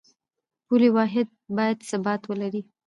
پولي واحد باید ثبات ولري